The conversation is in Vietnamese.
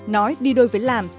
nói đi đôi với làm